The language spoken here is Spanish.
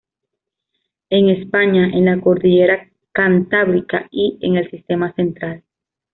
En España en la Cordillera Cantábrica y en el Sistema Central.